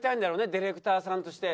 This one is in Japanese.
ディレクターさんとして。